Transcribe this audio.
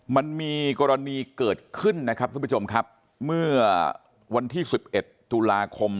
มันมีกรณีเกิดขึ้นนะครับทุกผู้ชมครับเมื่อวันที่๑๑ตุลาคม